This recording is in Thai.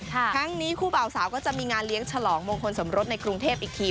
ทั้งนี้คู่บ่าวสาวก็จะมีงานเลี้ยงฉลองมงคลสมรสในกรุงเทพอีกที